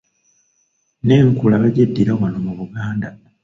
N’Enkula bagyeddira wano mu Buganda.